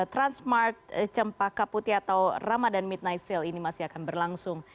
transmart cempaka putih atau ramadan midnight sale ini masih akan berlangsung